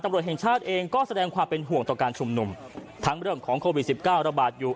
ตำรวจแห่งชาติเองก็แสดงความเป็นห่วงต่อการชุมนุมทั้งเรื่องของโควิดสิบเก้าระบาดอยู่